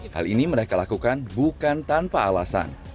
hal ini mereka lakukan bukan tanpa alasan